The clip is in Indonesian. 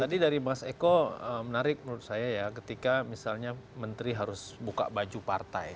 tadi dari mas eko menarik menurut saya ya ketika misalnya menteri harus buka baju partai